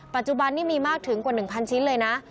ปัจจุบันนี้มีมากถึงกว่า๑๐๐ชิ้นเลยนะ